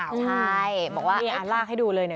ใช่บอกว่าเรียนอ่านลากให้ดูเลยเนี่ย